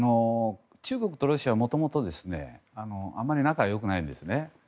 中国とロシアはもともとあまり仲が良くないんですね。